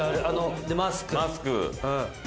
マスク。